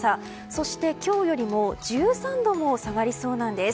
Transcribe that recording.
そして、今日よりも１３度も下がりそうなんです。